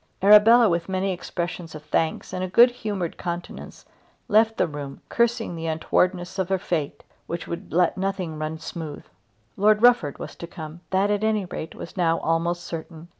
Arabella, with many expressions of thanks and a good humoured countenance, left the room, cursing the untowardness of her fate which would let nothing run smooth. Lord Rufford was to come. That at any rate was now almost certain.